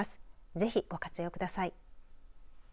ぜひ、ご活用ください。